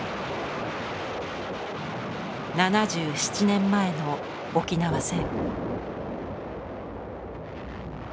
７７年前の沖縄戦。